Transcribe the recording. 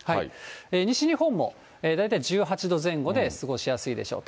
西日本も大体１８度前後で、過ごしやすいでしょう。